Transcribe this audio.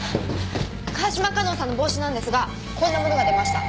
川島香音さんの帽子なんですがこんなものが出ました。